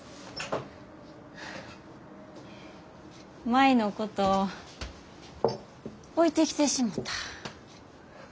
舞のこと置いてきてしもた。